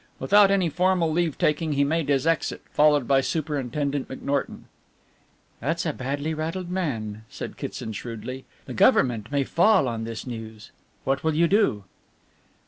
Without any formal leave taking he made his exit, followed by Superintendent McNorton. "That's a badly rattled man," said Kitson shrewdly, "the Government may fall on this news. What will you do?"